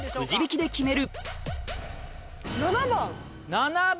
７番。